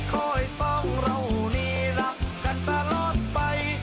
คอยฟังเรานี่รักกันตลอดไป